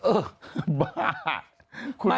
เอาไงบ้า